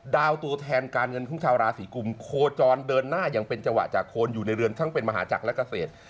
ตัวแทนการเงินของชาวราศีกุมโคจรเดินหน้าอย่างเป็นจังหวะจากคนอยู่ในเรือนทั้งเป็นมหาจักรและเกษตร